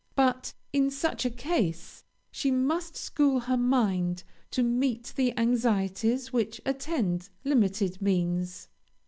But in such a case, she must school her mind to meet the anxieties which attend limited means.